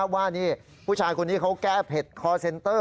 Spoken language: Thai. ว่านี่ผู้ชายคนนี้เขาแก้เผ็ดคอร์เซ็นเตอร์